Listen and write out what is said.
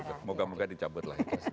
semoga moga dicabut lah ya